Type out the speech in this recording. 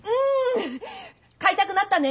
買いたくなったね。